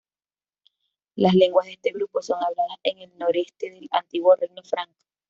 Las lenguas de este grupo son habladas en el noreste del antiguo Reino Franco.